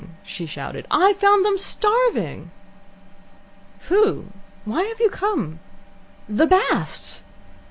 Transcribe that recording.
she shouted. "I found them starving!" "Who? Why have you come?" "The Basts."